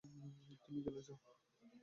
তুমি গেলে যাও।